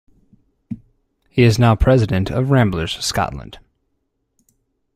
He is now President of Ramblers Scotland.